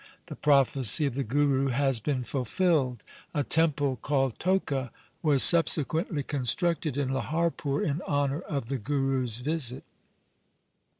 The prophecy of the Guru has been fulfilled. A temple called Toka was subsequently constructed in Lahar pur in honour of the Guru's visit.